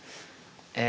え。